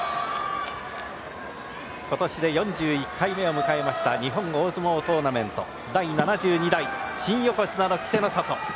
今年で４１回目を迎えました日本大相撲トーナメント第７２代新横綱の稀勢の里。